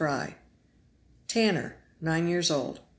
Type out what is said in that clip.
Tanner (nine years old).